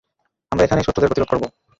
আমরা এখানেই শত্রুদের গতিরোধ করব।